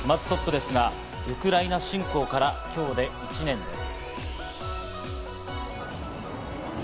まずトップですが、ウクライナ侵攻から今日で１年です。